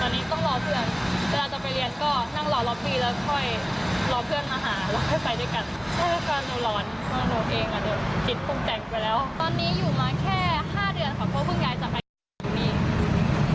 ตอนนี้อยู่มาแค่๕เดือนค่ะเพราะพึ่งย้ายจากไอ้อยู่นี้